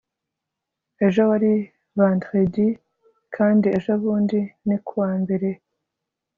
ejo wari vendredi kandi ejobundi ni kuwa mbere